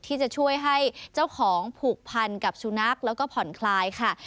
ที่จะช่วยให้เจ้าของผูกพันกับสุนัขแล้วก็ผ่อนคลายค่ะ